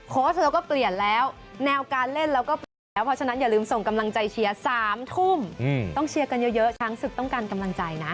เราก็เปลี่ยนแล้วแนวการเล่นเราก็เปลี่ยนแล้วเพราะฉะนั้นอย่าลืมส่งกำลังใจเชียร์๓ทุ่มต้องเชียร์กันเยอะช้างศึกต้องการกำลังใจนะ